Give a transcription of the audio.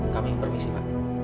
kami permisi pak